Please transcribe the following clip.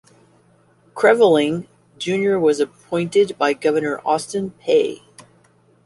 Creveling, Junior was appointed by Governor Austin Peay.